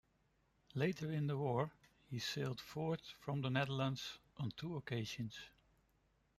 Later in the war, he sallied forth from the Netherlands on two occasions.